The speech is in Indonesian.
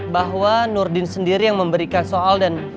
bahwa nurdin sendiri yang memberikan soal dan